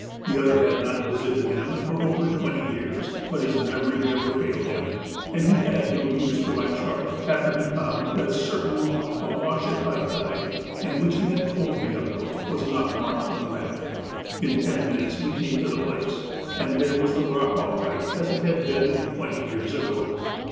The other had not visited them for over twenty years. But his memory never failed him. And he had no use for my chart, after he found that a certain rock, awash at high tide, and which he had told me about, was not marked on the map. Iu ten minutes we came to the place. And there was the rock all right, as it had been twenty years ago.